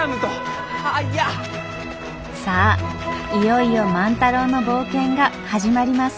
さあいよいよ万太郎の冒険が始まります。